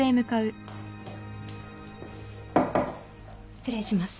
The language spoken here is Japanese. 失礼します。